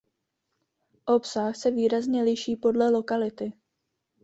Obsah se výrazně liší podle lokality.